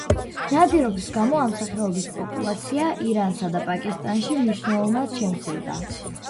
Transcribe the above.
ნადირობის გამო ამ სახეობის პოპულაცია ირანსა და პაკისტანში მნიშვნელოვნად შემცირდა.